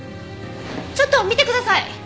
ちょっと見てください！